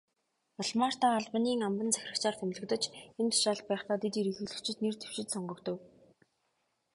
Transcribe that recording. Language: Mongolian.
Улмаар та Албанийн амбан захирагчаар томилогдож, энэ тушаалд байхдаа дэд ерөнхийлөгчид нэр дэвшиж, сонгогдов.